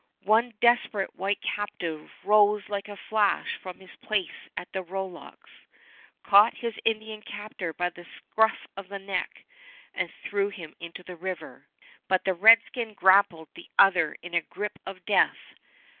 One desperate white captive rose like a flash from his place at the rowlocks, caught his Indian captor by the scuff of the neck and threw him into the river; but the redskin grappled the other in a grip of death.